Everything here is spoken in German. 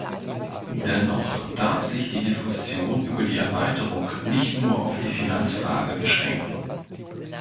Dennoch darf sich die Diskussion über die Erweiterung nicht nur auf die Finanzfrage beschränken.